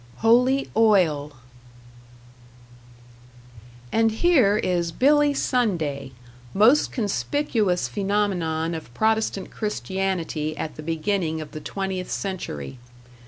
#Holy Oil# And here is Billy Sunday, most conspicuous phenomenon of Protestant Christianity at the beginning of the twentieth century.